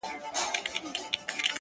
راسه قباله يې درله در کړمه _